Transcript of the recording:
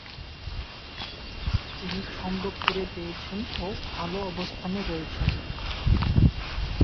তিনি ছন্দ ফিরে পেয়েছেন ও ভালো অবস্থানে রয়েছেন।